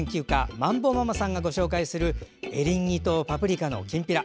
まんぼママさんが紹介するエリンギとパプリカのきんぴら